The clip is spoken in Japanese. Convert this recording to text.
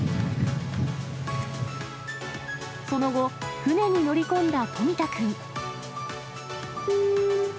その後、船に乗り込んだ冨田君。